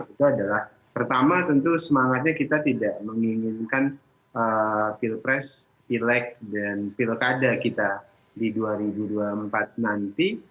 itu adalah pertama tentu semangatnya kita tidak menginginkan pilpres pilek dan pilkada kita di dua ribu dua puluh empat nanti